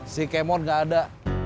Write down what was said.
si kemon gak ada